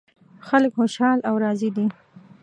خلک خوشحال او راضي دي